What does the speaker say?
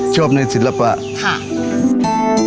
ชอบในศิลปะครับ